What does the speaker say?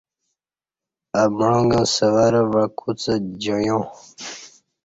اہ معانگہ سورہ وعکوسہ جعیاں